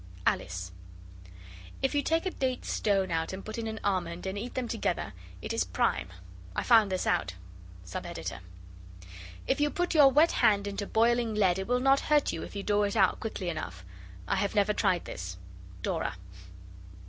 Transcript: ALICE. If you take a date's stone out and put in an almond and eat them together, it is prime. I found this out. SUB EDITOR. If you put your wet hand into boiling lead it will not hurt you if you draw it out quickly enough. I have never tried this. DORA.